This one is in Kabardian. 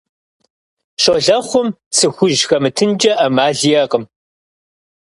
Щолэхъум цы хужь хэмытынкӀэ Ӏэмал иӀэкъым.